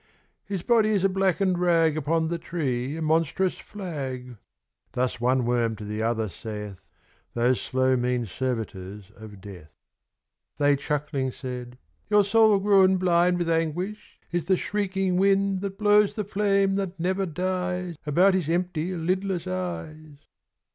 ' His body is a blackened rag Upon the tree — a monstrous fla Thus one Worm to the other saith. Those slow mean servitors of Death, They chuckling said :' Your soul grown blind With anguish, is the shrieking Wind That blows the flame that never dies About his empty, lidless eves.'